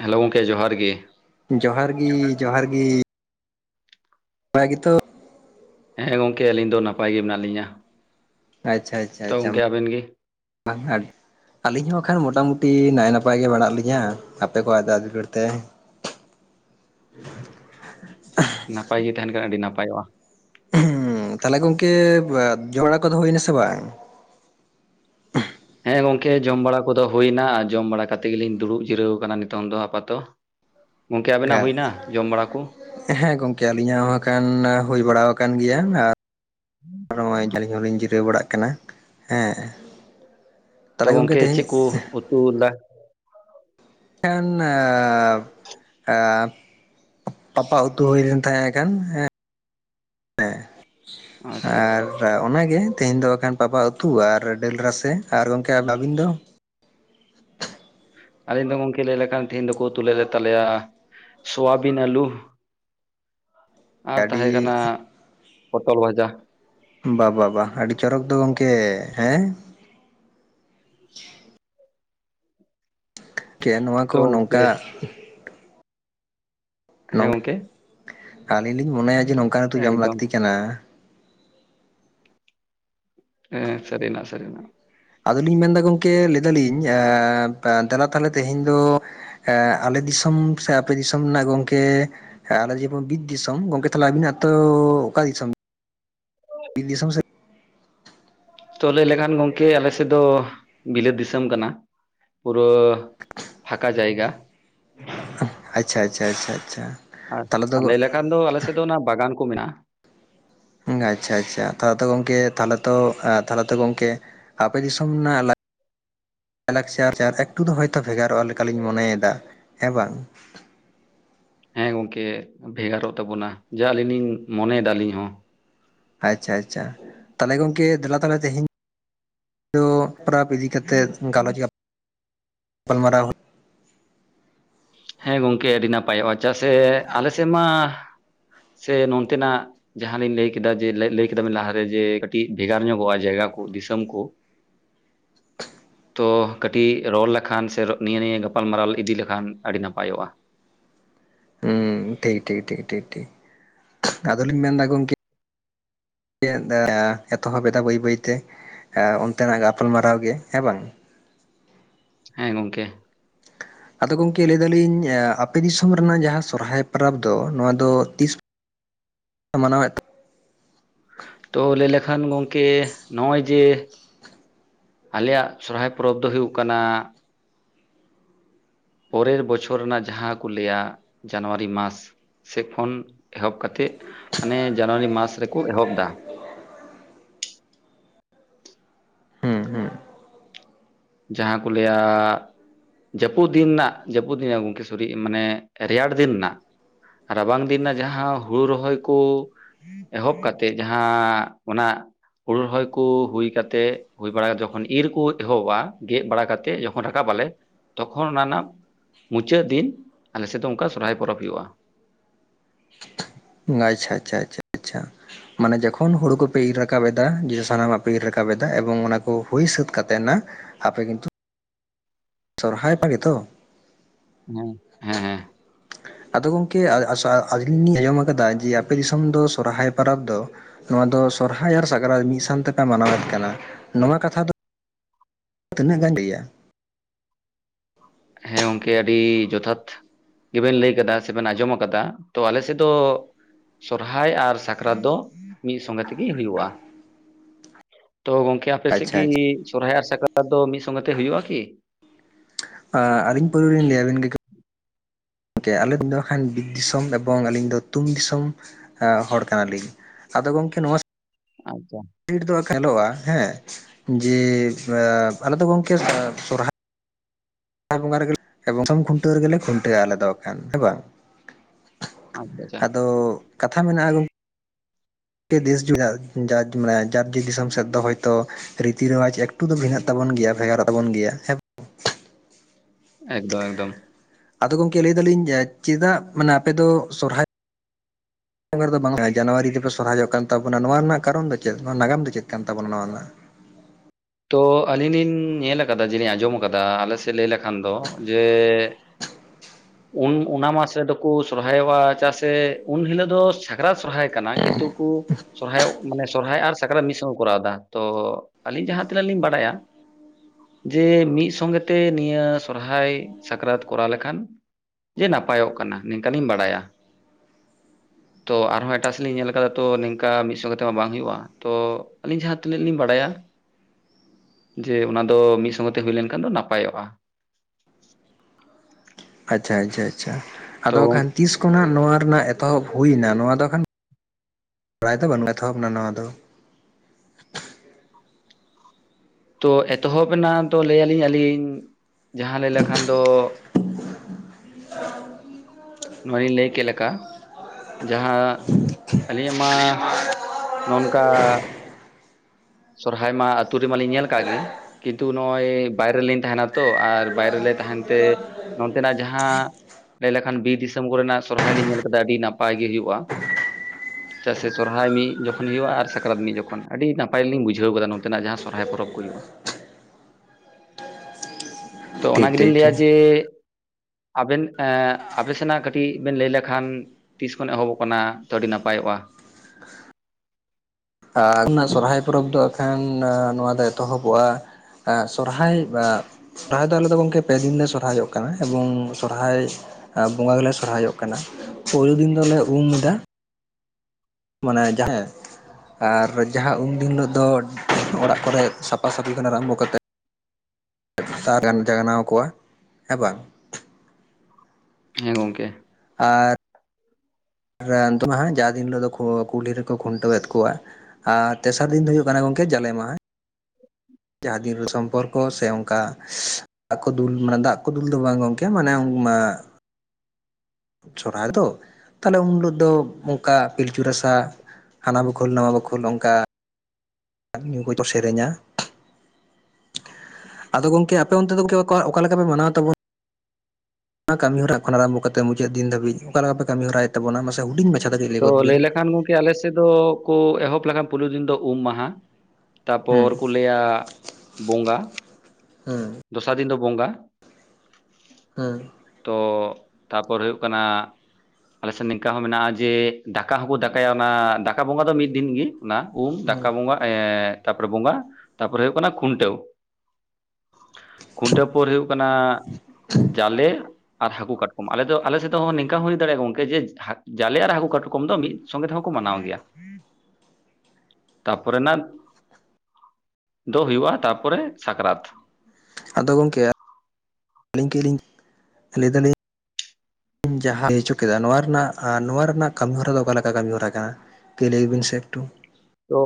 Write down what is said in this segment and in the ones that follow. Hello ᱜᱚᱝᱠᱮ ᱡᱚᱦᱟᱨ ᱜᱮ ᱡᱚᱦᱟᱨ ᱜᱤ ᱡᱚᱦᱟᱨ ᱜᱤ [unintelligible] ᱜᱤᱛᱚ ᱦᱮᱸ ᱜᱚᱝᱠᱮ ᱟᱹᱞᱤᱧ ᱫᱚ ᱱᱟᱯᱟᱭ ᱜᱮ ᱢᱮᱱᱟᱜ ᱞᱤᱧᱟᱹ ᱟᱪᱪᱷᱟ ᱟᱪᱪᱷᱟ ᱛᱚ ᱟᱪᱪᱷᱟ ᱜᱚᱝᱠᱮ ᱟᱵᱤᱱ ᱜᱮ ᱵᱟᱝ [unintelligible] ᱟᱹᱞᱤᱧ ᱦᱚᱸ ᱠᱷᱟᱡ ᱢᱚᱴᱟᱢᱩᱴᱤ ᱱᱟᱭ ᱱᱟᱯᱟᱭ ᱜᱮ ᱵᱟᱲᱟᱜ ᱞᱤᱧᱟᱹ ᱟᱯᱮ ᱠᱚᱣᱟᱜ ᱫᱟᱭᱟ ᱫᱩᱞᱟᱹᱲ ᱛᱮ ᱱᱟᱯᱟᱭ ᱜᱮ ᱛᱟᱦᱮᱱ ᱠᱟᱱᱟ ᱟᱹᱰᱤ ᱱᱟᱯᱟᱭᱚᱜ-ᱟ᱾ [unintelligible] ᱛᱟᱦᱚᱞᱮ ᱜᱚᱝᱠᱮ ᱡᱷᱚᱜᱽᱲᱟ ᱠᱚᱫᱚ ᱦᱩᱭᱱᱟ ᱥᱮ ᱵᱟᱝ ᱦᱮᱸ ᱜᱚᱝᱠᱮ ᱡᱚᱢ ᱵᱟᱲᱟ ᱠᱚᱫᱚ ᱦᱩᱭᱱᱟ ᱡᱚᱢ ᱵᱟᱲᱟ ᱠᱟᱛᱮᱜ ᱜᱮᱞᱤᱧ ᱫᱩᱲᱩᱵ ᱡᱤᱨᱟᱹᱣ ᱟᱠᱟᱱᱟ ᱱᱤᱛᱚᱝ ᱫᱚ ᱟᱯᱟᱛᱚ ᱜᱚᱝᱠᱮ ᱟᱵᱮᱱᱟᱜ ᱦᱩᱭᱱᱟ ᱡᱚᱢ ᱵᱟᱲᱟ ᱠᱚ ᱦᱮᱸ ᱜᱚᱝᱠᱮ ᱟᱹᱞᱤᱧᱟᱜ ᱦᱚᱸ ᱠᱷᱟᱱ ᱦᱩᱭ ᱵᱟᱲᱟᱣ ᱟᱠᱟᱱ ᱜᱮᱭᱟ ᱱᱚᱜ-ᱚᱭ ᱟᱹᱞᱤᱧ ᱦᱚᱸ ᱞᱤᱧ ᱡᱤᱨᱟᱹᱣ ᱵᱟᱲᱟᱜ ᱠᱟᱱᱟ ᱦᱮᱸ ᱛᱚ ᱛᱟᱦᱚᱞᱮ ᱜᱚᱝᱠᱮ ᱛᱮᱦᱮᱧ ᱪᱮᱫ ᱠᱚ ᱩᱛᱩ ᱫᱟᱠ ᱴᱷᱮᱱᱮ [unintelligible] ᱯᱟᱯᱟᱜ ᱩᱛᱩ ᱦᱳᱭ ᱞᱮᱱ ᱛᱟᱦᱮᱸᱟ ᱦᱟᱠᱷᱟᱱ ᱦᱮᱸ ᱟᱪᱪᱷᱟ ᱟᱨ ᱟᱪᱪᱷᱟ ᱚᱱᱟᱜᱮ ᱛᱮᱦᱮᱧ ᱫᱚ ᱦᱟᱜ ᱠᱷᱟᱱ ᱯᱟᱯᱟᱜ ᱩᱛᱩ ᱟᱨ ᱰᱟᱹᱞ ᱨᱟᱥᱮ ᱟᱨ ᱜᱚᱝᱠᱮ ᱟᱵᱤᱱ ᱫᱚ ᱟᱞᱤᱧ ᱫᱚ ᱜᱚᱝᱠᱮ ᱞᱟᱹᱭ ᱞᱮᱠᱷᱟᱱ ᱛᱮᱦᱮᱧ ᱫᱚᱠᱚ ᱩᱛᱩ ᱞᱮᱫ ᱛᱟᱞᱮᱭᱟ ᱥᱳᱣᱟᱵᱤᱱ ᱟᱞᱩ ᱟᱨ ᱛᱟᱦᱮᱸᱠᱟᱱᱟ ᱟᱹᱰᱤ ᱯᱚᱴᱚᱞ ᱵᱷᱟᱡᱟ ᱵᱟ ᱵᱟ ᱵᱟ ᱟᱹᱰᱤ ᱪᱚᱨᱚᱠ ᱫᱚ ᱜᱚᱢᱠᱮ ᱦᱮᱸ ᱠᱮ ᱱᱚᱣᱟ ᱛᱚ ᱠᱚ ᱜᱚᱝᱠᱮ ᱱᱚᱝᱠᱟ ᱦᱮᱸ ᱜᱚᱝᱠᱮ ᱟᱹᱞᱤᱧ ᱞᱤᱧ ᱢᱚᱱᱮᱭᱟ ᱡᱮ ᱱᱚᱝᱠᱟᱱ ᱩᱛᱩ ᱡᱚᱢ ᱮᱠᱫᱚᱢ ᱞᱟᱹᱠᱛᱤ ᱠᱟᱱᱟ ᱦᱮᱸ ᱥᱟᱹᱨᱤᱱᱟᱜ ᱥᱟᱹᱨᱤᱱᱟᱜ ᱟᱫᱚᱞᱤᱧ ᱢᱮᱱᱫᱟ ᱜᱚᱢᱠᱮ ᱞᱟᱹᱭ ᱫᱟᱞᱤᱧ ᱮ ᱫᱮᱞᱟ ᱛᱟᱦᱞᱮ ᱛᱮᱦᱮᱧ ᱫᱚ ᱮ ᱟᱞᱮ ᱫᱤᱥᱚᱢ ᱥᱮ ᱟᱯᱮ ᱫᱤᱥᱚᱢ ᱨᱮᱱᱟᱜ ᱜᱚᱢᱠᱮ ᱦᱮᱸ ᱟᱞᱮ ᱡᱮᱵᱚᱱ ᱵᱤᱨ ᱫᱤᱥᱚᱢ ᱜᱚᱝᱠᱮ ᱛᱟᱦᱞᱮ ᱟᱵᱤᱱᱟᱜ ᱛᱚ ᱚᱠᱟ ᱫᱤᱥᱚᱢ ᱵᱤᱨ ᱫᱤᱥᱚᱢ ᱛᱚ ᱞᱟᱹᱭ ᱞᱮᱠᱷᱟᱱ ᱜᱚᱢᱠᱮ ᱟᱞᱮ ᱥᱮᱫ ᱫᱚ ᱵᱤᱞᱟᱹᱛ ᱫᱤᱥᱚᱢ ᱠᱟᱱᱟ ᱯᱩᱨᱟᱹ ᱯᱷᱟᱠᱟ ᱡᱟᱭᱜᱟ ᱟᱪᱪᱷᱟ ᱟᱪᱪᱷᱟ ᱟᱪᱪᱷᱟ ᱟᱪᱪᱷᱟ ᱛᱟᱦᱚᱞᱮ ᱫᱚ ᱟᱨ ᱞᱟᱹᱭ ᱞᱮᱠᱷᱟᱱ ᱫᱚ ᱟᱞᱮ ᱥᱮᱫ ᱫᱚ ᱚᱱᱟ ᱵᱟᱜᱟᱱ ᱠᱚ ᱢᱮᱱᱟᱜ-ᱟ ᱦᱟᱸ ᱟᱪᱪᱷᱟ ᱟᱪᱪᱷᱟ ᱛᱟᱦᱚᱞᱮ ᱛᱚ ᱜᱚᱝᱠᱮ ᱛᱟᱦᱚᱞᱮ ᱛᱚ ᱛᱟᱦᱚᱞᱮ ᱛᱚ ᱜᱚᱝᱠᱮ ᱟᱯᱮ ᱫᱤᱥᱚᱢ ᱨᱮᱱᱟᱜ ᱞᱟᱭ-ᱞᱟᱠᱪᱟᱨ ᱮᱠᱴᱩ ᱫᱚ ᱦᱚᱭᱛᱚ ᱵᱷᱮᱜᱟᱨᱚᱜ-ᱟ ᱞᱮᱠᱟᱞᱤᱧ ᱢᱚᱱᱮᱭᱮᱫᱟ ᱦᱮᱸ ᱵᱟᱝ ᱦᱮᱸ ᱜᱚᱝᱠᱮ ᱵᱷᱮᱜᱟᱨᱚᱜ ᱛᱟᱵᱚᱱᱟ ᱡᱟ ᱟᱹᱞᱤᱧ ᱞᱤᱧ ᱢᱚᱱᱮᱭᱮᱫᱟ ᱟᱹᱞᱤᱧ ᱦᱚᱸ ᱟᱪᱪᱷᱟ ᱟᱪᱪᱷᱟ ᱛᱟᱦᱞᱮ ᱜᱚᱝᱠᱮ ᱫᱮᱞᱟ ᱛᱟᱦᱞᱮ ᱛᱮᱦᱮᱧ ᱫᱚ ᱯᱟᱨᱟᱯ ᱤᱫᱤ ᱛᱮ ᱜᱟᱞᱚᱪ ᱜᱟᱞᱚᱪ [inaudible] ᱜᱟᱯᱟᱞᱢᱟᱨᱟᱣ ᱦᱮᱸ ᱜᱚᱢᱠᱮ ᱟᱹᱰᱤ ᱱᱟᱯᱟᱭᱚᱜ-ᱟ ᱪᱮᱫᱟᱜ ᱥᱮ ᱟᱞᱮ ᱥᱮᱫ ᱢᱟ ᱥᱮ ᱱᱚᱱᱛᱮᱱᱟᱜ ᱡᱟᱦᱟᱸ ᱞᱤᱧ ᱞᱟᱹᱭ ᱠᱮᱫᱟ ᱡᱮ ᱞᱟᱹᱭ ᱠᱮᱫᱟ ᱵᱮᱱ ᱞᱟᱦᱟᱨᱮ ᱡᱮ ᱠᱟᱹᱴᱤᱡ ᱵᱷᱮᱜᱟᱨ ᱧᱚᱜᱚᱜ-ᱟ ᱡᱟᱭᱜᱟ ᱠᱚ ᱫᱤᱥᱚᱢ ᱠᱚ [unintelligible] ᱛᱚ ᱠᱟᱹᱴᱤᱡ ᱨᱚᱲ ᱞᱮᱠᱷᱟᱱ ᱥᱮ ᱱᱤᱭᱟᱹ ᱱᱤᱭᱟᱹ ᱜᱟᱯᱟᱞᱢᱟᱨᱟᱣ ᱤᱫᱤ ᱞᱮᱠᱷᱟᱱ ᱟᱹᱰᱤ ᱱᱟᱯᱟᱭᱚᱜ-ᱟ ᱦᱩᱸ ᱴᱷᱤᱠ ᱴᱷᱤᱠ ᱴᱷᱤᱠ ᱴᱷᱤᱠ ᱴᱷᱤᱠ ᱟᱫᱚᱞᱤᱧ ᱢᱮᱱᱫᱟ ᱜᱚᱢᱠᱮ [unintelligible] ᱮᱛᱚᱦᱚᱵ ᱮᱫᱟ ᱵᱟᱹᱭ ᱵᱟᱹᱭᱛᱮ ᱦᱮᱸ ᱚᱱᱛᱮᱱᱟᱜ ᱜᱟᱯᱟᱞᱢᱟᱨᱟᱣ ᱜᱮ ᱦᱮᱸ ᱵᱟᱝ ᱦᱮᱸ ᱜᱚᱢᱠᱮ ᱟᱫᱚ ᱜᱚᱝᱠᱮ ᱞᱟᱹᱭ ᱮ ᱫᱟᱞᱤᱧ ᱟᱯᱮ ᱫᱤᱥᱚᱢ ᱨᱮᱱᱟᱜ ᱡᱟᱦᱟᱸ ᱥᱚᱨᱦᱟᱭ ᱯᱚᱨᱚᱵᱽ ᱫᱚ ᱱᱚᱣᱟ ᱫᱚ ᱛᱤᱥ ᱢᱟᱱᱟᱣ ᱮᱫ ᱛᱚ ᱞᱟᱹᱭ ᱞᱮᱠᱷᱟᱱ ᱜᱚᱢᱠᱮ ᱱᱚᱜ-ᱚᱭ ᱡᱮ ᱟᱞᱮᱭᱟᱜ ᱥᱚᱨᱦᱟᱭ ᱯᱚᱨᱚᱵᱽ ᱫᱚ ᱦᱳᱭᱳᱜ ᱠᱟᱱᱟ ᱯᱚᱨᱮᱨ ᱵᱚᱪᱷᱚᱨ ᱨᱮᱱᱟᱜ ᱡᱟᱦᱟ ᱠᱚ ᱞᱟᱹᱭᱟ ᱡᱟᱱᱩᱣᱟᱨᱤ ᱢᱟᱥ ᱥᱮᱫ ᱠᱷᱚᱱ ᱮᱦᱚᱵ ᱠᱟᱛᱮᱫ ᱢᱟᱱᱮ ᱡᱟᱱᱩᱣᱟᱨᱤ ᱢᱟᱥ ᱨᱮᱠᱚ ᱮᱦᱚᱵ ᱮᱫᱟ ᱦᱩᱸ ᱦᱩᱸ ᱡᱟᱦᱟ ᱠᱚ ᱞᱟᱹᱭᱟ ᱡᱟᱹᱯᱩᱫ ᱫᱤᱱ ᱨᱮᱱᱟᱜ ᱡᱟᱹᱯᱩᱫ ᱫᱤᱱ ᱜᱚᱢᱠᱮ ᱥᱚᱨᱤ ᱢᱟᱱᱮ ᱨᱮᱭᱟᱲ ᱫᱤᱱ ᱨᱮᱱᱟᱜ ᱨᱟᱵᱟᱝ ᱫᱤᱱ ᱨᱮᱱᱟᱜ ᱡᱟᱦᱟ ᱦᱳᱲᱳ ᱨᱚᱦᱚᱭ ᱠᱳ ᱮᱦᱚᱵ ᱠᱟᱛᱮ ᱡᱟᱦᱟ ᱚᱱᱟ ᱦᱳᱲᱳ ᱨᱚᱦᱚᱭ ᱠᱚ ᱦᱩᱭ ᱠᱟᱛᱮᱜ ᱦᱩᱭ ᱵᱟᱲᱟ ᱠᱟᱛᱮ ᱡᱚᱠᱷᱚᱱ ᱤᱨ ᱠᱚ ᱮᱦᱚᱵᱟ ᱜᱮᱜ ᱵᱟᱲᱟ ᱠᱟᱛᱮ ᱡᱚᱠᱷᱚᱱ ᱨᱟᱠᱟᱵᱟᱞᱮ ᱛᱚᱠᱷᱚᱱ ᱚᱱᱟ ᱨᱮᱱᱟᱜ ᱢᱩᱪᱟᱹᱜ ᱫᱤᱱ ᱟᱞᱮᱥᱮᱫ ᱫᱚ ᱚᱝᱠᱟ ᱥᱚᱨᱦᱟᱭ ᱯᱚᱨᱚᱵᱽ ᱦᱳᱭᱳᱜ-ᱟ ᱟᱪᱪᱷᱟ ᱟᱪᱪᱷᱟ ᱟᱪᱪᱷ ᱢᱟᱱᱮ ᱡᱚᱠᱷᱚᱱ ᱦᱳᱲᱩ ᱠᱚᱯᱮ ᱤᱨ ᱨᱟᱠᱟᱵ ᱮᱫᱟ ᱡᱚᱛᱚ ᱥᱟᱱᱟᱢᱟᱜ ᱯᱮ ᱤᱨ ᱨᱟᱠᱟᱵ ᱮᱫᱟ ᱮᱵᱚᱝ ᱚᱱᱟ ᱠᱚ ᱦᱩᱭ ᱥᱟᱹᱛ ᱠᱟᱛᱮᱫ ᱱᱟ ᱦᱟᱯᱮ ᱠᱤᱱᱛᱩ ᱥᱚᱨᱦᱟᱭ ᱯᱟ ᱜᱮᱛᱚ ᱦᱮᱸ ᱦᱮᱸ ᱦᱮᱸ ᱟᱫᱚ ᱜᱚᱝᱠᱮ ᱟᱹᱞᱤᱧ ᱞᱤᱧ ᱟᱸᱡᱚᱢ ᱠᱟᱫᱟ ᱡᱮ ᱟᱯᱮ ᱫᱤᱥᱚᱢ ᱫᱚ ᱥᱚᱨᱦᱟᱭ ᱯᱟᱨᱟᱵᱽ ᱫᱚ ᱱᱚᱣᱟ ᱫᱚ ᱥᱚᱨᱦᱟᱭ ᱟᱨ ᱥᱟᱠᱽᱨᱟᱛ ᱢᱤᱫ ᱥᱟᱶ ᱛᱮᱯᱮ ᱢᱟᱱᱟᱣᱮᱫ ᱠᱟᱱᱟ ᱱᱚᱣᱟ ᱠᱟᱛᱷᱟ ᱫᱚ ᱛᱤᱱᱟᱹᱜ ᱜᱟᱱ ᱜᱮᱭᱟ ᱾ ᱦᱮᱸ ᱜᱚᱢᱠᱮ ᱟᱹᱰᱤ ᱡᱚᱛᱷᱟᱛ, ᱜᱮᱵᱮᱱ ᱞᱟᱹᱭ ᱠᱟᱫᱟ ᱥᱮᱵᱮᱱ ᱟᱸᱡᱚᱢ ᱠᱟᱫᱟ ᱛᱚ ᱟᱞᱮ ᱥᱮᱫ ᱫᱚ ᱥᱚᱨᱦᱟᱭ ᱟᱨ ᱥᱟᱠᱨᱟᱛ ᱫᱚ ᱢᱤᱫ ᱥᱚᱸᱜᱮ ᱛᱮᱜᱮ ᱦᱩᱭᱩᱜᱼᱟ ᱛᱚ ᱜᱚᱝᱠᱮ ᱟᱯᱮ ᱥᱮᱫ ᱟᱪᱪᱷᱟ ᱟᱪᱪᱷᱟ ᱜᱮᱠᱤ ᱥᱚᱨᱦᱟᱭ ᱟᱨ ᱥᱟᱠᱨᱟᱛ ᱫᱚ ᱢᱤᱫ ᱥᱚᱸᱜᱮ ᱛᱮ ᱦᱩᱭᱩᱜᱼᱟ ᱠᱤ? ᱟ ᱟ. ᱞᱤᱧ ᱯᱟᱨᱤᱞᱤᱧ ᱞᱟᱹᱭᱟ ᱟᱵᱤᱱ ᱜᱮ ᱠᱮ ᱟᱞᱮ ᱫᱚ ᱵᱤᱨ ᱫᱤᱥᱚᱢ ᱮᱵᱚᱝ ᱟᱹᱞᱤᱧ ᱫᱚ ᱛᱩᱢ ᱫᱤᱥᱚᱢ ᱦᱚᱲ ᱠᱟᱱᱟᱞᱤᱧ ᱾ ᱟᱫᱚ ᱜᱚᱝᱠᱮ ᱱᱚᱣᱟ ᱟᱪᱪᱷᱟ, ᱵᱤᱴ ᱫᱚ ᱧᱮᱞᱚᱜ-ᱟ ᱦᱮᱸ ᱡᱮ ᱟᱞᱮ ᱫᱚ ᱜᱚᱝᱠᱮ ᱥᱚᱨᱦᱟ ᱟᱨᱭ ᱵᱚᱸᱜᱟ ᱨᱮᱜᱮ ᱞᱮ ᱮᱵᱚᱝ ᱠᱷᱩᱱᱴᱟᱹᱣ ᱨᱮᱜᱮ ᱠᱷᱩᱱᱴᱟᱹᱜ-ᱟ ᱾ ᱟᱞᱮ ᱫᱚ ᱠᱷᱟᱱ ᱦᱮᱸ ᱵᱟᱝ ᱟᱪᱪᱷᱟ ᱟᱪᱪᱷᱟ ᱟᱫᱚ ᱠᱟᱛᱷᱟ ᱢᱮᱱᱟᱜᱼᱟ ᱜᱚᱝᱠᱮ, ᱛᱮ ᱫᱮᱥ ᱡᱩ [unintelligible] ᱡᱟᱪ ᱢᱟᱱᱮ ᱡᱟᱨᱡᱮᱨ ᱫᱤᱥᱚᱢ ᱥᱮᱫ ᱫᱚ ᱦᱚᱭᱛᱚ ᱨᱤᱛᱤ ᱨᱮᱣᱟᱡᱽ ᱮᱠ ᱴᱩ ᱫᱚ ᱵᱷᱤᱱᱟᱹᱜ ᱛᱟᱵᱚᱱ ᱜᱮᱭᱟ ᱵᱷᱮᱜᱟᱨ ᱛᱟᱵᱚᱱ ᱜᱮᱭᱟ ᱾ ᱮᱠᱫᱚᱢ ᱮᱠᱫᱚᱢ ᱾ ᱟᱫᱚ ᱜᱚᱝᱠᱮ ᱞᱟᱹᱭ ᱫᱟᱞᱤᱧ ᱪᱮᱫᱟᱜ ᱢᱟᱱᱮ ᱟᱯᱮ ᱫᱚ ᱥᱚᱦᱨᱟᱭ [inaudible] ᱫᱚ ᱵᱟᱝ ᱡᱟᱱᱩᱟᱨᱤ ᱫᱚᱯᱮ ᱥᱚᱨᱦᱟᱭᱚᱜ ᱠᱟᱱ [unintelligible] ᱡᱟᱱᱣᱟᱨᱤ ᱨᱮᱯᱮ ᱥᱚᱦᱨᱟᱭᱚᱜ ᱠᱟᱱ ᱛᱟᱵᱚᱱᱟ ᱱᱚᱣᱟ ᱨᱮᱱᱟᱜ ᱠᱟᱨᱚᱱ ᱫᱚ ᱪᱮᱫ ᱱᱚᱣᱟ ᱱᱟᱜᱟᱢ ᱫᱚ ᱪᱮᱫ ᱠᱟᱱ ᱛᱟᱵᱚᱱᱟ ᱱᱚᱣᱟ ᱨᱮᱱᱟᱜ ᱛᱚ ᱟᱞᱤᱧ ᱞᱤᱧ ᱧᱮᱞ ᱟᱠᱟᱫᱟ ᱡᱮᱞᱤᱧ ᱟᱸᱡᱚᱢ ᱟᱠᱟᱫᱟ ᱟᱞᱮ ᱥᱮᱫ ᱞᱟᱹᱭ ᱞᱮᱠᱷᱟᱱ ᱫᱚ ᱡᱮ ᱩᱱ ᱚᱱᱟ ᱢᱟᱥ ᱨᱮᱫᱚ ᱠᱚ ᱥᱚᱦᱨᱟᱭᱚᱜᱼᱟ ᱪᱟᱜ ᱥᱮ ᱩᱱᱦᱤᱞᱟᱹᱜ ᱫᱚ ᱥᱟᱠᱨᱟᱛ ᱥᱚᱦᱨᱟᱭ ᱠᱟᱱᱟ ᱠᱤᱛᱩ ᱠᱩ ᱥᱚᱦᱨᱟᱭᱚᱜ ᱢᱟᱱᱮ ᱥᱚᱦᱨᱟᱭ ᱟᱨ ᱥᱟᱠᱨᱟᱛ ᱢᱤᱫ ᱥᱟᱶ ᱠᱚᱨᱟᱣ ᱫᱟ ᱛᱚ ᱟᱹᱞᱤᱧ ᱡᱟᱦᱟᱸ ᱛᱤᱱᱟᱹᱜ ᱞᱤᱧ ᱵᱟᱰᱟᱭᱟ ᱡᱮ ᱢᱤᱫ ᱥᱚᱸᱜᱮᱛᱮ ᱱᱤᱭᱟᱹ ᱥᱚᱦᱨᱟᱭ ᱥᱟᱠᱨᱟᱛ ᱠᱚᱨᱟᱣ ᱞᱮᱠᱷᱟᱱ ᱾ ᱡᱮ ᱱᱟᱯᱟᱭᱚᱜ ᱠᱟᱱᱟ ᱱᱤᱝᱠᱟᱞᱤᱧ ᱵᱟᱲᱟᱭᱟ ᱾ ᱛᱚ ᱟᱨᱦᱚᱸ ᱮᱴᱟᱜ ᱥᱮᱫ ᱨᱮᱞᱤᱧ ᱧᱮᱞ ᱟᱠᱟᱫᱟ ᱛᱚ ᱱᱚᱝᱠᱟ ᱢᱤᱫ ᱥᱚᱸᱜᱮ ᱛᱮᱢᱟ ᱵᱟᱝ ᱦᱩᱭᱩᱜᱼᱟ ᱾ ᱛᱚ ᱟᱹᱞᱤᱧ ᱡᱟᱦᱟᱸ ᱛᱤᱱᱟᱹᱜ ᱞᱤᱧ ᱵᱟᱲᱟᱭᱟ ᱾ ᱡᱮ ᱚᱱᱟ ᱫᱚ ᱢᱤᱫ ᱥᱚᱸᱜᱮ ᱛᱮ ᱦᱩᱭ ᱞᱮᱱᱠᱷᱟᱱ ᱫᱚ ᱱᱟᱯᱟᱭᱚᱜᱼᱟ ᱾ ᱟᱪᱪᱷᱟ ᱟᱪᱪᱷᱟ ᱟᱪᱪᱷᱟ ᱛᱚ ᱟᱫᱚ ᱠᱷᱟᱱ ᱛᱤᱥ ᱠᱷᱚᱱᱟᱜ ᱱᱚᱣᱟ ᱨᱮᱱᱟᱜ ᱮᱛᱚᱦᱚᱵ ᱦᱩᱭ ᱮᱱᱟ ᱱᱚᱣᱟ ᱫᱚ ᱠᱷᱟᱱ ᱵᱟᱲᱟᱭ ᱫᱚ ᱵᱟᱹᱱᱩᱜ ᱮᱛᱚᱦᱚᱵ ᱮᱱᱟ ᱱᱚᱣᱟ ᱫᱚ ᱛᱚ ᱮᱛᱚᱦᱚᱵ ᱮᱱᱟ ᱫᱚ ᱞᱟᱹᱭᱟᱞᱤᱧ ᱟᱹᱞᱤᱧ ᱡᱟᱦᱟᱸ ᱞᱟᱹᱭ ᱞᱮᱠᱷᱟᱱ ᱫᱚ ᱱᱚᱣᱟ ᱞᱤᱧ ᱞᱟᱹᱭ ᱠᱮᱫ ᱞᱮᱠᱟ ᱡᱟᱦᱟᱸ ᱟᱹᱞᱤᱧᱟᱜᱼᱢᱟ ᱾ ᱱᱚᱱᱝᱠᱟ ᱥᱚᱨᱦᱟᱭ ᱢᱟ ᱟᱹᱛᱩ ᱨᱮᱢᱟ ᱞᱤᱧ ᱧᱮᱞ ᱠᱟᱜ ᱜᱮ ᱠᱤᱱᱛᱩ ᱱᱚᱜᱼᱚᱭ ᱵᱟᱭᱨᱮᱞᱤᱧ ᱛᱟᱦᱮᱱᱟ ᱛᱚ ᱟᱨ ᱵᱟᱭᱨᱮ ᱞᱮ ᱛᱟᱸᱦᱮᱱ ᱛᱮ ᱾ ᱱᱚᱱᱛᱮᱱᱟᱜ ᱡᱟᱦᱟᱸ ᱞᱟᱹᱭ ᱞᱮᱠᱷᱟᱱ ᱵᱤᱨ ᱫᱤᱥᱚᱢ ᱠᱚᱨᱮᱱᱟᱜ ᱥᱚᱦᱨᱟᱭ ᱞᱤᱧ ᱧᱮᱞ ᱠᱮᱫᱟ ᱟᱹᱰᱤ ᱱᱟᱯᱟᱭ ᱜᱮ ᱦᱩᱭᱩᱜ-ᱟ ᱾ ᱪᱟᱜ ᱥᱮ ᱥᱚᱦᱨᱟᱭ ᱢᱤᱫ ᱡᱚᱠᱷᱚᱱ ᱦᱩᱭᱩᱜᱼᱟ ᱟᱨ ᱥᱟᱠᱨᱟᱛ ᱢᱤᱫ ᱡᱚᱠᱷᱚᱱ ᱟᱹᱰᱤ ᱱᱟ ᱯᱟᱭ ᱞᱤᱧ ᱵᱩᱡᱷᱟᱹᱣ ᱠᱟᱫᱟ ᱱᱚᱛᱮᱱᱟᱜ ᱡᱟᱦᱟᱸ ᱥᱚᱦᱨᱟᱭ ᱯᱚᱨᱚᱵᱽ ᱠᱚ ᱦᱩᱭᱩᱜᱼᱟ ᱾ ᱛᱚ ᱚᱱᱟ ᱴᱷᱤᱠ ᱴᱷᱤᱠ ᱜᱮᱞᱤᱧ ᱞᱟᱹᱭᱟ ᱴᱷᱤᱠ ᱡᱮ ᱟᱵᱮᱱ ᱟᱯᱮ ᱥᱮᱱᱟᱜ ᱠᱟᱹᱴᱤᱡ ᱵᱮᱱ ᱞᱟᱹᱭ ᱞᱮᱠᱷᱟᱱ ᱛᱤᱥ ᱠᱷᱚᱱ ᱮᱦᱚᱵᱚᱜ ᱠᱟᱱᱟ ᱛᱚ ᱟᱹᱰᱤ ᱱᱟᱯᱟᱭᱚᱜᱼᱟ ᱾ ᱟᱨ ᱱᱟᱜ ᱥᱚᱦᱨᱟᱭ ᱯᱚᱨᱚᱵᱽ ᱫᱚ ᱮᱠᱷᱟᱱ ᱱᱚᱣᱟ ᱫᱚ ᱮᱛᱚᱦᱚᱵᱚᱜᱼᱟ ᱾ ᱥᱚᱨᱦᱟᱭ [unintelligible] ᱥᱚᱨᱦᱟᱭ ᱫᱚ ᱟᱞᱮ ᱫᱚ ᱜᱚᱢᱠᱮ ᱯᱮ ᱫᱤᱱᱞ ᱥᱚᱨᱦᱟᱭᱚᱜ ᱠᱟᱱᱟ ᱮᱵᱚᱝ ᱥᱚᱨᱦᱟᱭ ᱵᱚᱸᱜᱟ ᱜᱮᱞᱮ ᱥᱚᱨᱦᱟᱭᱚᱜ ᱠᱟᱱᱟ ᱯᱩᱭᱞᱳ ᱫᱤᱱ ᱫᱚᱞᱮ ᱩᱢ ᱮᱫᱟ ᱢᱟᱱᱮ [unintelligible] ᱟᱨ ᱡᱟᱦᱟᱸ ᱩᱢ ᱫᱤᱱ ᱦᱤᱞᱳᱜ ᱫᱚ ᱚᱲᱟᱜ ᱠᱚᱨᱮ ᱥᱟᱯᱷᱟ ᱥᱟᱹᱯᱷᱤ ᱠᱷᱚᱱ ᱟᱨᱟᱢᱵᱚ ᱠᱟᱛᱮᱜ ᱟᱨ ᱡᱟᱜᱟᱣᱱᱟ ᱠᱚᱣᱟ ᱦᱮᱸ ᱵᱟᱝ ᱦᱮᱸ ᱜᱚᱢᱠᱮ ᱾ ᱟᱫ ᱨᱟᱱ ᱛᱚᱱᱟ ᱦᱟᱸᱜ ᱡᱟ ᱫᱤᱱ ᱞᱚᱜ ᱫᱚᱠᱚ ᱠᱩᱞᱦᱤ ᱠᱷᱩᱱᱴᱟᱹᱣᱮᱫ ᱠᱚᱣᱟ ᱟᱨ ᱛᱮᱥᱟᱨ ᱫᱤᱱ ᱫᱚ ᱦᱩᱭᱩᱜ ᱠᱟᱱᱟ ᱜᱚᱢᱠᱮ ᱡᱟᱞᱮ ᱢᱟᱦᱟ ᱡᱟᱦᱟᱸ ᱫᱤᱱᱨᱮ ᱥᱚᱢᱯᱚᱨᱠᱚ ᱥᱮ ᱚᱱᱠᱟ ᱫᱟᱜ ᱠᱚ ᱫᱩᱞ ᱢᱟᱱᱮ ᱫᱟᱜ ᱠᱚ ᱫᱩᱞ ᱫᱚ ᱵᱟᱝ ᱜᱚᱢᱠᱮ ᱢᱟᱱᱮ ᱥᱚᱨᱚᱦᱟᱭ ᱨᱮᱫᱚ ᱛᱟᱦᱞᱮ ᱩᱱ ᱦᱤᱞᱳᱜ ᱫᱚ ᱚᱱᱠᱟ ᱯᱤᱞᱪᱩ ᱨᱟᱥᱟ ᱦᱟᱱᱟ ᱵᱟᱠᱷᱳᱞ ᱱᱟᱣᱟ ᱵᱟᱠᱷᱳᱞ ᱚᱱᱠᱟ ᱧᱩ ᱠᱚ ᱫᱚ ᱥᱮᱨᱮᱧᱟ ᱟᱫᱚ ᱜᱚᱝᱠᱮ ᱟᱯᱮ ᱚᱱᱛᱮ ᱫᱚ ᱚᱠᱟ ᱞᱮᱠᱟ ᱯᱮ ᱢᱟᱱᱟᱣᱟ ᱛᱟᱵᱚ ᱚᱱᱟ ᱠᱟᱹᱢᱤ ᱦᱚᱨᱟ ᱠᱷᱚᱱ ᱟᱨᱟᱢᱵᱚ ᱠᱟᱛᱮ ᱢᱩᱪᱟᱹᱫ ᱫᱤᱱ ᱫᱷᱟᱹᱵᱤᱡ ᱚᱠᱟ ᱞᱮᱠᱟ ᱯᱮ ᱠᱟᱹᱢᱤ ᱦᱚᱨᱟᱮᱫ ᱛᱟᱵᱚᱱᱟ ᱢᱟᱥᱮ ᱦᱩᱰᱤᱧ ᱢᱟᱪᱷᱟ ᱛᱮ ᱠᱟᱹᱡ ᱛᱚ ᱜᱚᱫ ᱞᱟᱹᱭ ᱵᱤᱱ ᱞᱮᱠᱷᱟᱱ ᱜᱚᱢᱠᱮ ᱟᱞᱮ ᱥᱮᱫ ᱫᱚ ᱠᱚ ᱮᱦᱚᱵ ᱞᱮᱠᱷᱟᱱ ᱯᱳᱞᱳ ᱫᱤᱱ ᱫᱚ ᱩᱢ ᱢᱟᱦᱟ ᱛᱟᱯᱚᱨ ᱦᱩᱸ ᱠᱚ ᱞᱟᱹᱭᱟ ᱵᱚᱸᱜᱟ ᱦᱩᱸ ᱫᱚᱥᱟᱨ ᱫᱤᱱ ᱫᱚ ᱵᱚᱸᱜᱟ ᱦᱩᱸ ᱛᱚ ᱛᱟᱯᱚᱨ ᱦᱩᱭᱩᱜ ᱠᱟᱱᱟ ᱟᱞᱮᱥᱮᱫ ᱱᱤᱝᱠᱟ ᱦᱚᱸ ᱢᱮᱱᱟᱜᱼᱟ ᱡᱮ ᱫᱟᱠᱟ ᱦᱚᱸᱠᱚ ᱫᱟᱠᱟᱭᱟ ᱚᱱᱟ ᱫᱟᱠᱟ ᱵᱚᱸᱜᱟ ᱫᱚ ᱢᱤᱫ ᱫᱤᱱ ᱜᱮ ᱚᱱᱟ ᱩᱢ ᱫᱟᱠᱟ ᱦᱩᱸ ᱵᱚᱸᱜᱟ ᱛᱟᱯᱚᱨᱮ ᱵᱚᱸᱜᱟ ᱛᱟᱯᱚᱨᱮ ᱦᱩᱭᱩᱜ ᱠᱟᱱᱟ ᱠᱷᱩᱱᱴᱟᱹᱣ ᱠᱷᱩᱱᱴᱟᱹᱣ ᱯᱚᱨᱮ ᱦᱩᱭᱩᱜ ᱠᱟᱱᱟ ᱡᱟᱞᱮ ᱟᱨ ᱦᱟᱹᱠᱩ ᱠᱟᱴᱠᱚᱢ ᱟᱞᱮ ᱫᱚ ᱟᱞᱮ ᱥᱮᱫ ᱫᱚ ᱦᱚᱸ ᱱᱤᱝᱠᱟ ᱦᱚᱸ ᱦᱩᱭ ᱫᱟᱲᱮᱭᱟᱜᱼᱟ ᱜᱚᱢᱠᱮ ᱡᱮ ᱡᱟᱞᱮ ᱟᱨ ᱦᱟᱹᱠᱩ ᱠᱟᱴᱠᱚᱢ ᱫᱚ ᱢᱤᱫ ᱥᱚᱸᱜᱮ ᱛᱮ ᱦᱚᱸ ᱠᱚ ᱢᱟᱱᱟᱣ ᱜᱮᱭᱟ ᱛᱟᱯᱚᱨᱮ ᱱᱟᱜ ᱫᱚ ᱦᱩᱭᱩᱜᱼᱟ ᱛᱟᱯᱚᱨᱮ ᱥᱟᱠᱨᱟᱛ ᱟᱫᱚ ᱜᱚᱢᱠᱮ [inaudible] ᱞᱟᱹᱭ ᱫᱟᱞᱤᱧ [unintelligible] ᱡᱟᱦᱟᱸ ᱦᱚᱪᱚ ᱠᱮᱫᱟ ᱱᱚᱣᱟ ᱨᱮᱱᱟᱜ ᱱᱚᱣᱟ ᱨᱮᱱᱟᱜ ᱠᱟᱹᱢᱤ ᱦᱚᱨᱟ ᱫᱚ ᱚᱠᱟᱞᱮ ᱠᱟᱹᱢᱤ ᱦᱚᱨᱟ ᱠᱟᱱᱟ ᱞᱟᱹᱭᱵᱤᱱ ᱥᱮ ᱮᱠᱴᱩ ᱛᱚ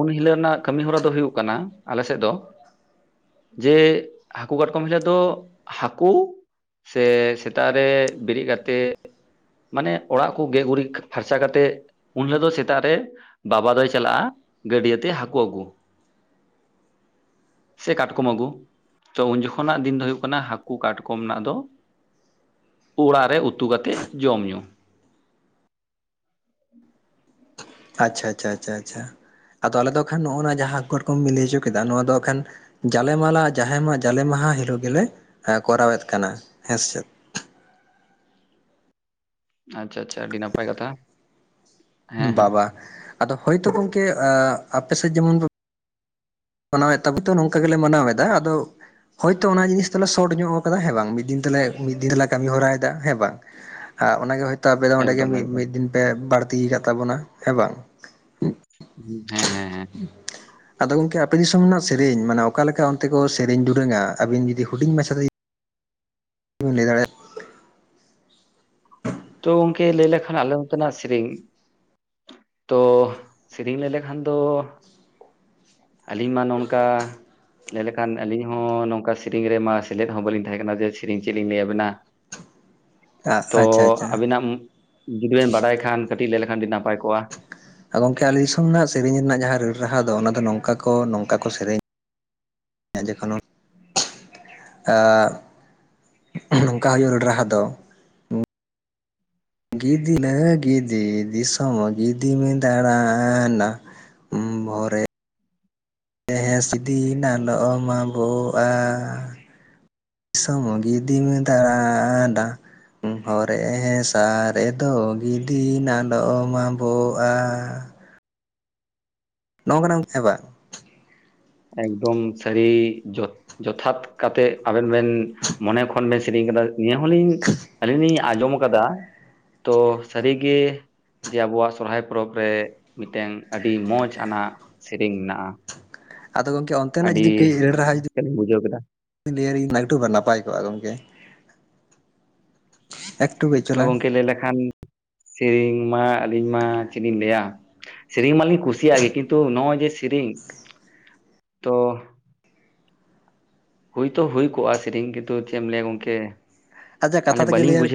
ᱩᱱ ᱦᱤᱞᱳᱜ ᱨᱮᱱᱟᱜ ᱠᱟᱹᱢᱤ ᱦᱚᱨᱟ ᱫᱚ ᱦᱩᱭᱩᱜ ᱠᱟᱱᱟ ᱟᱞᱮ ᱥᱮᱫ ᱫᱚ ᱡᱮ ᱦᱟᱹᱠᱩ ᱠᱟᱴᱠᱚᱢ ᱦᱤᱞᱳᱜ ᱫᱚ ᱦᱟᱹᱠᱩ ᱥᱮ ᱥᱮᱛᱟᱜ ᱨᱮ ᱵᱤᱨᱤᱫ ᱠᱟᱛᱮ ᱢᱟᱱᱮ ᱚᱲᱟᱜ ᱠᱚ ᱜᱮ ᱜᱩᱨᱤᱡ ᱯᱷᱟᱨᱪᱟ ᱠᱟᱛᱮᱫ ᱩᱱ ᱦᱤᱞᱳᱜ ᱫᱚ ᱥᱮᱛᱟᱜ ᱨᱮ ᱵᱟᱵᱟ ᱫᱚᱭ ᱪᱟᱞᱟᱜᱼᱟ ᱜᱟᱹᱰᱭᱟᱹ ᱛᱮ ᱦᱟᱹᱠᱩ ᱟᱹᱜᱩ [inaudible] ᱥᱮ ᱠᱟᱴᱠᱚᱢ ᱟᱹᱜᱩ ᱛᱚ ᱩᱱ ᱡᱚᱠᱷᱚᱱᱟᱜ ᱫᱤᱱ ᱫᱚ ᱦᱩᱭᱩᱜ ᱠᱟᱱᱟ ᱦᱟᱹᱠᱩ ᱠᱟᱴᱠᱚᱢ ᱨᱮᱱᱟᱜ ᱫᱚ ᱚᱲᱟᱜ ᱨᱮ ᱩᱛᱩ ᱠᱟᱛᱮᱫ ᱡᱚᱢᱼᱧᱩ ᱟᱪᱪᱷᱟ ᱟᱪᱪᱷᱟ ᱟᱪᱷᱟ ᱟᱪᱷᱟ ᱟᱫᱚ ᱟᱞᱮ ᱫᱚ ᱟᱠᱷᱟᱱ ᱱᱚ ᱱᱚᱣᱟ ᱡᱟᱦᱟ ᱠᱟᱹᱴᱠᱚᱢ ᱵᱮᱤᱱ ᱞᱟᱹᱭ ᱦᱚᱪᱚ ᱠᱮᱫᱟ ᱱᱚᱣᱟ ᱫᱚ ᱟᱠᱷᱟᱱ ᱡᱟᱞᱮ ᱢᱟᱞᱟ ᱡᱟᱦᱮᱢᱟᱜ ᱡᱟᱞᱮ ᱢᱟᱦᱟ ᱦᱤᱞᱳᱜ ᱜᱮᱞᱮ ᱠᱚᱨᱟᱣᱮᱫ ᱠᱟᱱᱟ ᱦᱮᱸ ᱥᱮ ᱟᱪᱪᱷᱟ ᱟᱪᱪᱷᱟ ᱟᱹᱰᱤ ᱱᱟᱯᱟᱭ ᱠᱟᱛᱷᱟ ᱦᱮᱸ ᱦᱮᱸ ᱵᱟᱵᱟ ᱟᱫᱚ ᱦᱳᱭ ᱛᱚ ᱜᱚᱢᱠᱮ ᱟᱯᱮ ᱥᱮᱫ ᱡᱮᱢᱚᱱ ᱢᱟᱱᱟᱣᱮᱫ ᱛᱟᱵᱚ ᱛᱚ ᱱᱚᱝᱠᱟ ᱜᱮᱞᱮ ᱢᱟᱱᱟᱣ ᱮᱫᱟ ᱟᱫᱚ ᱦᱳᱭᱛᱳ ᱚᱱᱟ ᱡᱤᱱᱤᱥ ᱫᱚᱞᱮ ᱥᱚᱴ ᱧᱚᱜ ᱠᱟᱫᱟ ᱦᱮᱸ ᱵᱟᱝ ᱢᱤᱫ ᱫᱤᱱ ᱛᱮᱞᱮ ᱢᱤᱫ ᱫᱤᱱ ᱛᱮᱞᱮ ᱠᱟᱹᱢᱤ ᱦᱚᱨᱟᱭ ᱫᱟ ᱦᱮᱸ ᱵᱟᱝ ᱟᱜ ᱚᱱᱟᱜᱮ ᱦᱳᱭᱛᱳ ᱟᱯᱮ ᱫᱚ ᱚᱸᱰᱮᱜ ᱮᱠᱫᱚᱢ ᱢᱤᱫ ᱮᱠᱫᱚᱢ ᱢᱤᱫ ᱫᱤᱱ ᱯᱮ ᱵᱟᱹᱲᱛᱤ ᱠᱟᱫ ᱛᱟᱵᱚᱱᱟ ᱦᱮᱸ ᱵᱟᱝ ᱦᱮᱸ ᱦᱮᱸ ᱦᱮᱸ [inaudible] ᱟᱫᱚ ᱜᱚᱝᱠᱮ ᱟᱯᱮ ᱫᱤᱥᱚᱢ ᱨᱮᱱᱟᱜ ᱥᱮᱨᱮᱧ ᱢᱟᱱᱮ ᱚᱠᱟᱠᱟ ᱞᱮᱠᱟ ᱚᱱᱛᱮ ᱠᱚ ᱥᱮᱨᱮᱧ ᱫᱩᱨᱟᱹᱝᱟ ᱟᱵᱤᱱ ᱡᱩᱫᱤ ᱦᱩᱰᱤᱧ ᱢᱟᱪᱷᱟ ᱤᱧ ᱞᱟᱹᱭ ᱫᱟᱲᱮᱼᱟ ᱾ ᱛᱚ ᱜᱚᱝᱠᱮ ᱞᱟᱹᱭ ᱞᱮᱠᱷᱟᱱ ᱟᱞᱮ ᱱᱚᱛᱮᱱᱟᱜ ᱥᱮᱨᱮᱧ ᱛᱚ ᱥᱮᱨᱮᱧ ᱞᱟᱹᱭ ᱞᱮᱠᱷᱟᱱ ᱫᱚ ᱟᱹᱞᱤᱧ ᱢᱟ ᱱᱚᱝᱠᱟ ᱞᱟᱹᱭ ᱞᱮᱠᱷᱟᱱ ᱟᱹᱞᱤᱧ ᱦᱚᱸ ᱱᱚᱝᱠᱟ ᱥᱮᱨᱮᱧ ᱨᱮᱢᱟ ᱥᱮᱞᱮᱫ ᱦᱚᱸ ᱵᱟᱹᱞᱤᱧ ᱛᱟᱦᱮᱸ ᱠᱟᱱᱟ ᱡᱮ ᱥᱮᱨᱮᱧ ᱪᱮᱫᱞᱤᱧ ᱞᱟᱹᱭ ᱟᱵᱮᱱᱟ ᱾ ᱟᱪᱪᱷᱟ ᱟᱪᱪᱷᱟ ᱾ ᱟᱢ, ᱡᱩᱫᱤ ᱵᱮᱱ ᱵᱟᱰᱟᱭ ᱠᱷᱟᱱ ᱠᱟᱹᱴᱤᱡ ᱞᱟᱹᱭ ᱞᱮᱠᱷᱟᱱ ᱟᱹᱰᱤ ᱱᱟᱯᱟᱭ ᱠᱚᱜᱼᱟ ᱾ ᱮ, ᱜᱚᱝᱠᱮ ᱟᱞᱮ ᱫᱤᱥᱚᱢ ᱨᱮᱱᱟᱜ ᱥᱮᱨᱮᱧ ᱨᱮᱱᱟᱜ ᱡᱟᱦᱟᱸ ᱨᱟᱹᱲ ᱨᱟᱦᱟ ᱫᱚ ᱚᱱᱟ ᱫᱚ ᱱᱚᱝᱠᱟ ᱠᱚ ᱱᱚᱝᱠᱟ ᱠᱚ ᱥᱮᱨᱮᱧ ᱦᱮᱸ ᱡᱚᱠᱷᱚᱱ ᱦᱚᱸ ᱱᱚᱝᱠᱟ ᱦᱩᱭᱩᱜ-ᱟ, ᱨᱟᱹᱲ ᱨᱟᱦᱟ ᱫᱚ ᱾ ᱜᱤᱫᱤ ᱞᱟᱹᱜᱤᱫ, ᱜᱤᱫᱤ, ᱫᱤᱥᱚᱢ ᱜᱤᱫᱤᱢ ᱫᱟᱬᱟᱱᱟ ᱵᱷᱚᱨ ᱨᱮ ᱦᱮᱸ, ᱦᱮᱸ, ᱥᱤᱫᱤ ᱱᱟᱞᱚᱢ ᱟᱵᱚᱜᱼᱟ ᱾ ᱫᱤᱥᱚᱢ ᱜᱤᱫᱤᱢ ᱫᱟᱬᱟᱱᱟ ᱾ ᱦᱚᱨᱮ ᱦᱮᱸᱥᱟᱜ ᱨᱮᱫᱚ ᱜᱤᱫᱤ ᱱᱟᱞᱚᱢ ᱟᱵᱚᱜᱼᱟ ᱾ ᱱᱚᱝᱠᱟ ᱱᱟᱢ ᱦᱮᱸ ᱵᱟᱝᱼᱟ ᱾ ᱮᱠᱫᱚᱢ ᱥᱟᱹᱲᱤ ᱡᱚᱷ ᱡᱚᱛᱷᱟᱛ ᱠᱟᱛᱮᱫ ᱟᱵᱮᱱ ᱵᱮᱱ ᱢᱚᱱᱮ ᱠᱷᱚᱱ ᱵᱮᱱ ᱥᱮᱨᱮᱧ ᱟᱠᱟᱫᱟ ᱱᱤᱭᱟᱹ ᱦᱚᱸᱞᱤᱧ ᱟᱹᱞᱤᱧ ᱞᱤᱧ ᱭᱟᱜ ᱟᱸᱡᱚᱢ ᱟᱠᱟᱫᱟ ᱛᱚ, ᱥᱟᱹᱨᱤᱜᱮ ᱡᱮ ᱟᱵᱚᱣᱟᱜ ᱥᱚᱨᱦᱟᱭ ᱯᱚᱨᱚᱵᱽ ᱨᱮ ᱢᱤᱫᱴᱮᱝ, ᱟᱹᱰᱤ ᱢᱚᱸᱡᱽ ᱟᱱᱟᱜ ᱥᱮᱨᱮᱧ ᱢᱮᱱᱟᱜᱼᱟ ᱾ ᱟᱫᱚ ᱜᱚᱢᱠᱮ ᱚᱱᱛ ᱟᱹᱰᱤ ᱨᱟᱹᱥᱠᱟᱹ ᱞᱤᱧ ᱵᱩᱡᱷᱟᱹᱣ ᱠᱮᱫᱟ ᱾ ᱞᱟᱹᱭ ᱟᱹᱞᱤᱧ, ᱚᱠᱴᱩᱵᱟᱨ ᱱᱟᱯᱟᱭ ᱠᱚᱜᱼᱟ ᱜᱚᱝᱠᱮ ᱾ ᱮᱠᱴᱩ ᱵᱮᱪ ᱛᱚ ᱜᱚᱢᱠᱮ ᱞᱟᱹᱭ ᱞᱮᱠᱷᱟᱱ ᱥᱮᱨᱮᱧ ᱢᱟ ᱟᱹᱞᱤᱧ ᱢᱟ ᱪᱮᱫ ᱞᱤᱧ ᱞᱟᱹᱭᱟ ᱾ ᱥᱮᱨᱮᱧ ᱢᱟᱞᱤᱧ ᱠᱩᱥᱤᱭᱟᱜ ᱜᱮ ᱠᱤᱱᱛᱩ ᱱᱚᱜᱼᱚᱭ ᱡᱮ ᱥᱮᱨᱮᱧ ᱛᱚ ᱦᱩᱭᱛᱚ ᱦᱩᱭ ᱠᱚᱜᱼᱟ ᱥᱮᱨᱮᱧ ᱜᱮᱛᱚ ᱪᱮᱫ ᱮᱢ ᱞᱟᱹᱭᱟ ᱜᱚᱝᱠᱮ ᱾ ᱟᱪᱪᱷᱟ ᱠᱟᱛᱷᱟ ᱛᱮᱜᱮ ᱞᱟᱹᱭᱟᱞᱤᱧ,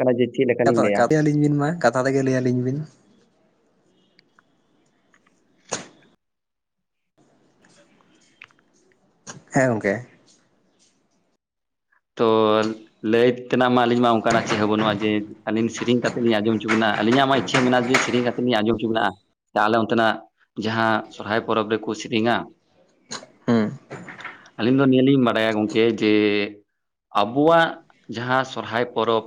ᱠᱟᱱᱟ ᱡᱮ ᱪᱮᱫ ᱞᱮᱠᱟᱞᱤᱧ ᱠᱟᱛᱷᱟ ᱞᱟᱹᱭᱟ ᱠᱟᱫᱮᱭᱟᱞᱤᱧ ᱵᱤᱱ ᱢᱟ, ᱠᱟᱛᱷᱟ ᱛᱮᱜᱮ ᱞᱟᱹᱭ ᱟᱹᱞᱤᱧ ᱵᱤᱱ ᱾ ᱦᱮᱸ ᱜᱚᱝᱠᱮ ᱛᱚ ᱞᱟᱹᱭ ᱛᱮᱱᱟᱜ ᱢᱟ ᱟᱹᱞᱤᱧ ᱢᱟ ᱚᱱᱠᱟᱱᱟᱜ ᱪᱮᱫ ᱦᱚᱸ ᱵᱟᱹᱱᱩᱜᱼᱟ ᱡᱮ ᱟᱹᱞᱤᱧ ᱥᱮᱨᱮᱧ ᱠᱟᱛᱮ ᱞᱤᱧ ᱟᱸᱡᱚᱢ ᱦᱚᱪᱚ ᱵᱤᱱᱟ, ᱟᱹᱞᱤᱧᱟᱜ ᱢᱟ ᱤᱪᱪᱷᱟ ᱢᱮᱱᱟᱜᱼᱟ ᱡᱮ ᱥᱮᱨᱮᱧ ᱠᱟᱛᱮ ᱟᱹᱞᱤᱧ ᱞᱤᱧ ᱟᱸᱡᱚᱢ ᱦᱚᱪᱚ ᱵᱤᱱᱟ ᱦᱟᱜ, ᱛᱟᱦᱚᱞᱮ ᱚᱱᱛᱮᱱᱟᱜ ᱡᱟᱦᱟᱸ ᱥᱚᱨᱦᱟᱭ ᱯᱚᱨᱚᱵᱽ ᱨᱮᱠᱚ ᱥᱮᱨᱮᱧᱟ ᱦᱩᱸ ᱾ ᱟᱹᱞᱤᱧ ᱫᱚ ᱱᱤᱭᱟᱹᱞᱤᱧ ᱵᱟᱰᱟᱭᱟ ᱜᱚᱝᱠᱮ ᱡᱮ ᱟᱵᱚᱣᱟᱜ ᱡᱟᱦᱟᱸ ᱥᱚᱨᱦᱟᱭ ᱯᱚᱨᱚᱵᱽ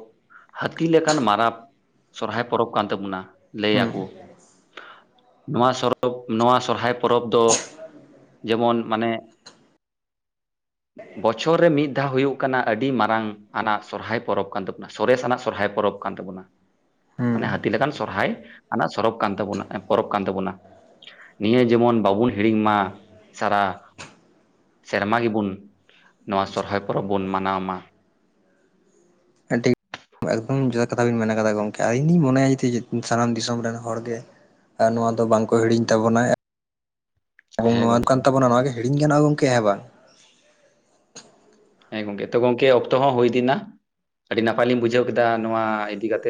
ᱦᱟᱹᱛᱤ ᱞᱮᱠᱟᱱ ᱢᱟᱨᱟᱵ ᱥᱚᱨᱦᱟᱭ ᱯᱚᱨᱚᱵᱽ ᱠᱟᱱ ᱛᱟᱵᱚᱱᱟ ᱦᱩᱸ ᱞᱟᱹᱭᱟᱠᱚ ᱾ ᱱᱚᱣᱟ ᱥᱚᱨᱚᱵᱽ ᱱᱚᱣᱟ ᱥᱚᱨᱦᱟᱭ ᱯᱚᱨᱚᱵᱽ ᱫᱚ ᱡᱮᱢᱚᱱ ᱢᱟᱱᱮ, ᱵᱚᱪᱷᱚᱨ ᱨᱮ ᱢᱤᱫ ᱫᱷᱟᱣ ᱦᱩᱭᱩᱜ ᱱᱚᱝᱠᱟᱱᱟᱜ, ᱟᱹᱰᱤ ᱢᱟᱨᱟᱝ ᱟᱱᱟᱜ ᱥᱚᱨᱦᱟᱭ ᱯᱚᱨᱚᱵᱽ ᱠᱟᱱ ᱛᱟᱵᱚᱱᱟ, ᱥᱚᱨᱮᱥ ᱟᱱᱟᱜ ᱥᱚᱨᱦᱟᱭ ᱯᱚᱨᱚᱵᱽ ᱠᱟᱱ ᱛᱟᱵᱚᱱᱟ ᱾ ᱢᱟᱱᱮ ᱦᱟᱹᱛᱤ ᱦᱩᱸ ᱞᱮᱠᱟᱱ ᱥᱚᱨᱦᱟᱭ ᱟᱱᱟᱜ, ᱥᱚᱨᱚᱵᱽ ᱠᱟᱱ ᱛᱟᱵᱚᱱᱟ ᱦᱮᱸ, ᱯᱚᱨᱚᱵᱽ ᱠᱟᱱ ᱛᱟᱵᱚᱱᱟ ᱾ ᱱᱤᱭᱟᱹ ᱡᱮᱢᱚᱱ ᱵᱟᱵᱚᱱ ᱦᱤᱲᱤᱧ ᱢᱟ ᱥᱟᱨᱟ ᱾ ᱥᱮᱨᱢᱟ ᱜᱮᱵᱩᱱ, ᱱᱚᱣᱟ ᱥᱚᱨᱦᱟᱭ ᱯᱚᱨᱚᱵᱽ ᱵᱚᱱ ᱢᱟᱱᱟᱣ ᱢᱟ ᱾ ᱟᱹᱰᱤᱛ ᱮᱠᱫᱚᱢ ᱡᱚᱛᱚ ᱠᱟᱛᱷᱟ ᱵᱮᱱ ᱢᱮᱱ ᱠᱟᱫᱟ ᱜᱚᱢᱠᱮ, ᱟᱨ ᱤᱧᱫᱩᱧ ᱢᱚᱱᱮᱭᱟ ᱡᱮ ᱛᱤ, ᱥᱟᱱᱟᱢ ᱫᱤᱥᱚᱢ ᱨᱮᱱ ᱦᱚᱲᱜᱮ ᱟᱨ ᱱᱚᱣᱟ ᱫᱚ ᱵᱟᱝᱠᱚ ᱦᱤᱲᱤᱧ ᱛᱟᱵᱚᱱᱟᱭ ᱾ ᱮᱵᱚᱝ ᱦᱮᱸ ᱱᱚᱣᱟ ᱠᱟᱱ ᱜᱚᱝᱠᱮ ᱛᱟᱵᱱᱟᱚ ᱱᱚᱣᱟ ᱜᱮ ᱦᱤᱲᱤᱧ ᱜᱚᱱᱚᱜᱼᱟ ᱜᱚᱝᱠᱮ ᱦᱮᱸ ᱵᱟᱝ ᱾ ᱦᱮᱸ ᱜᱚᱝᱠᱮ, ᱛᱚ ᱜᱚᱝᱠᱮ ᱚᱠᱛᱚ ᱦᱚᱸ ᱦᱩᱭ ᱤᱫᱤᱭᱮᱱᱟ ᱟᱹᱰᱤ ᱱᱟᱯᱟᱭ ᱞᱤᱧ ᱵᱩᱡᱷᱟᱹᱣ ᱠᱮᱫᱟ ᱱᱚᱣᱟ ᱤᱫᱤ ᱠᱟᱛᱮ